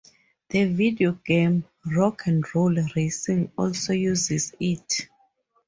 The video game "Rock 'n Roll Racing" also uses it.